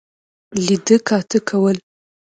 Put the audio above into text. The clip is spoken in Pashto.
لیده کاته کول.